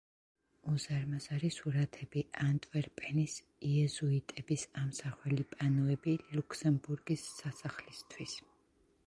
უზარმაზარი სურათები ანტვერპენის იეზუიტების ამსახველი პანოები ლუქსემბურგის სასახლისთვის.